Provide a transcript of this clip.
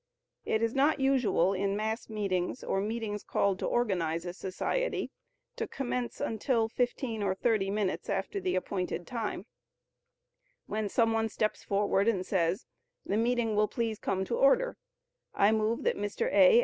It is not usual in mass meetings, or meetings called to organize a society, to commence until fifteen or thirty minutes after the appointed time, when some one steps forward and says, "The meeting will please come to order; I move that Mr. A.